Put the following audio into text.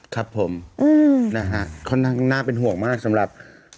ครับผมนะฮะค่อนข้างน่าเป็นห่วงมากสำหรับ